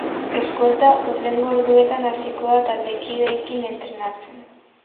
Eskolta hurrengo orduetan hasiko da taldekideekin entrenatzen.